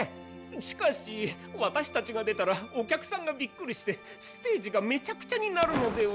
しかしわたしたちが出たらお客さんがびっくりしてステージがめちゃくちゃになるのでは。